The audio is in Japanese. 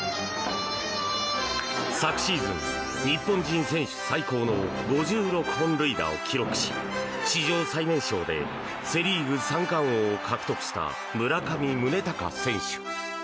昨シーズン、日本人選手最高の５６本塁打を記録し史上最年少でセ・リーグ三冠王を獲得した村上宗隆選手。